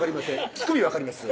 「乳首わかります」